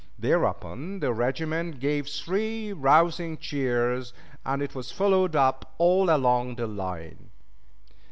Thereupon the regiment gave three rousing cheers, and it was followed up all along the line.